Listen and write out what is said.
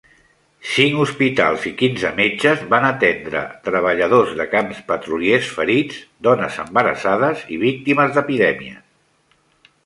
Cinc hospitals i quinze metges van atendre treballadors de camps petroliers ferits, dones embarassades i víctimes d'epidèmies.